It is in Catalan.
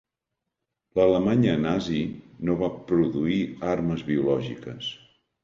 L'Alemanya Nazi no va produir armes biològiques.